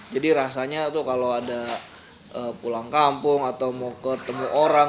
jadi rasanya kalau ada pulang kampung atau mau ketemu orang